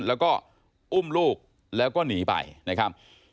แล้วก็อุ้มลูกแล้วก็หนีไปนะครับ